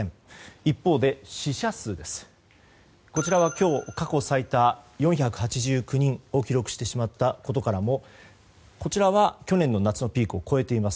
一方で、死者数は今日過去最多の４８９人を記録してしまったことからもこちらは去年の夏のピークを越えています。